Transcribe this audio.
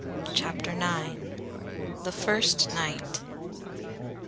CHAPTER IX THE FIRST NIGHT I.